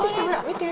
見て！